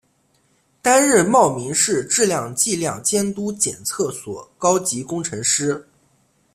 担任茂名市质量计量监督检测所高级工程师。